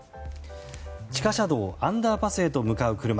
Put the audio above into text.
地下車道、アンダーパスへと向かう車。